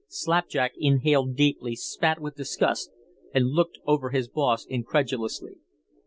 Slapjack inhaled deeply, spat with disgust, and looked over his boss incredulously.